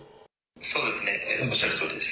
そうですね、おっしゃるとおりです。